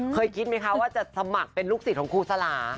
เคยคิดไหมคะว่าจะสมัครเป็นลูกศิษย์ของครูสลา